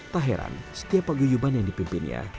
tak heran setiap pagi yuban yang dipimpinnya